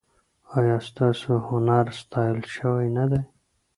ایا ستاسو هنر ستایل شوی نه دی؟